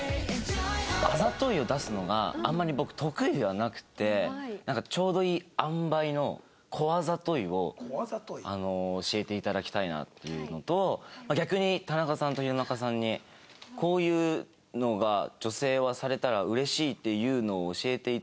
あざといを出すのがあんまり僕得意ではなくてなんかちょうどいいあんばいの小あざといをあの教えて頂きたいなっていうのと逆に田中さんと弘中さんにこういうのが女性はされたら嬉しいっていうのを教えて頂けたら。